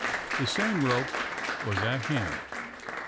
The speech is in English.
The same rope was at hand.